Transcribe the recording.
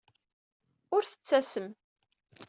Ur tettasem.